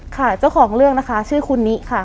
ค่ะเจ้าของเรื่องนะคะชื่อคุณนิค่ะ